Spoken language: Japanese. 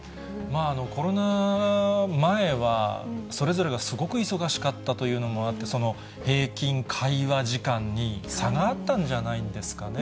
コロナ前は、それぞれがすごく忙しかったというのもあって、その平均会話時間に、差があったんじゃないんですかね。